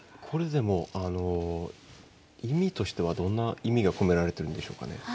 これでも意味としてはどんな意味が込められてるんでしょうかね。